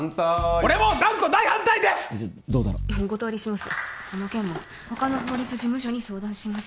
この件も他の法律事務所に相談します